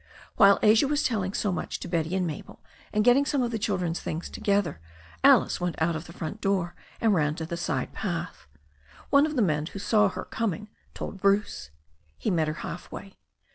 While Asia was telling so much to Betty and Mabel and getting some of the children's things to gether, Alice went out of the front door and round to the side path. One of the men who saw her coming told Bruce. He met her half way.